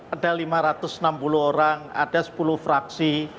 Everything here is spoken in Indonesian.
ada lima ratus enam puluh orang ada sepuluh fraksi